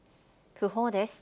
訃報です。